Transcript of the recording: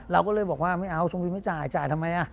เราก็เลยบอกว่าไม่เอาชมวิวไม่จ่ายจ่ายทำไม